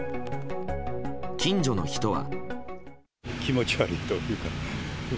近所の人は。